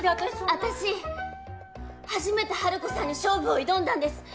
あたし初めてハルコさんに勝負を挑んだんです。